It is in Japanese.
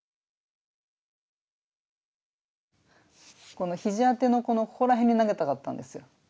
この肘当てのここら辺に投げたかったんですよ。